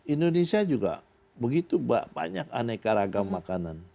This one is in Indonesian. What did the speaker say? indonesia juga begitu banyak aneka ragam makanan